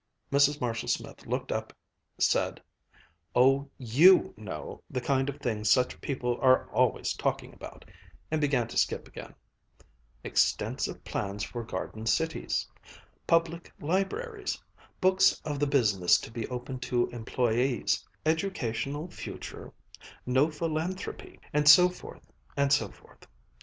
'" Mrs. Marshall Smith looked up, said, "Oh, you know, the kind of thing such people are always talking about," and began to skip again, "' extensive plans for garden cities public libraries books of the business to be open to employés educational future no philanthropy and so forth and so forth.'"